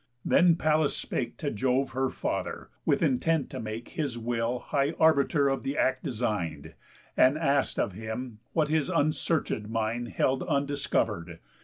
Then Pallas spake To Jove, her Father, with intent to make His will high arbiter of th' act design'd, And ask'd of him what his unsearchéd mind Held undiscover'd?